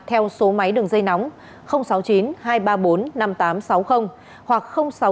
theo số máy đường dây nóng sáu mươi chín hai trăm ba mươi bốn năm nghìn tám trăm sáu mươi hoặc sáu mươi chín hai nghìn ba trăm hai mươi hai